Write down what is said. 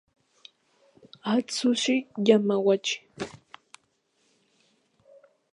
Atsushi Yamaguchi